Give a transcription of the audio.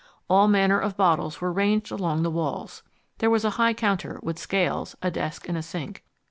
All manner of bottles were ranged along the walls; there was a high counter with scales, a desk, and a sink.